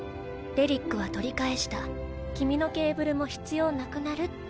「遺物は取り返した君のケーブルも必要なくなる」って。